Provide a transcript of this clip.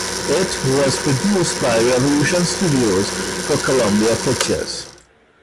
It was produced by Revolution Studios for Columbia Pictures.